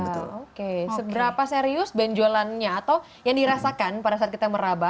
oke seberapa serius benjolannya atau yang dirasakan pada saat kita meraba